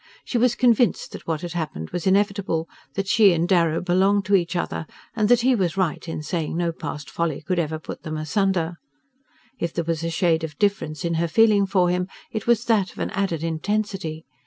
She was convinced that what had happened was inevitable, that she and Darrow belonged to each other, and that he was right in saying no past folly could ever put them asunder. If there was a shade of difference in her feeling for him it was that of an added intensity.